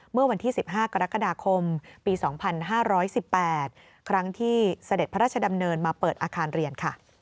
เมื่อวันที่๑๕กรกฎาคมปี๒๕๑๘ครั้งที่เสด็จพระราชดำเนินมาเปิดอาคารเรียนค่ะ